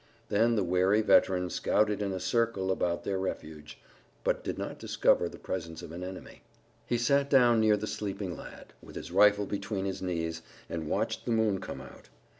Then the wary veteran scouted in a circle about their refuge, but did not discover the presence of an enemy. He sat down near the sleeping lad, with his rifle between his knees, and watched the moon come out.